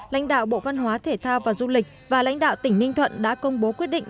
lãnh đạo bộ văn hóa thể thao và du lịch và lãnh đạo tỉnh ninh thuận đã công bố quyết định